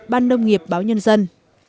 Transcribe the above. ban nông nghiệp báo nhân dân